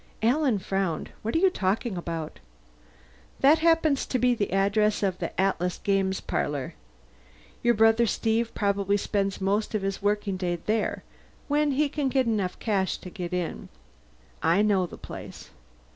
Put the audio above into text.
Alan frowned. "What are you talking about?" "That happens to be the address of the Atlas Games Parlor. Your brother Steve probably spends most of his working day there, when he has enough cash to get in. I know the place.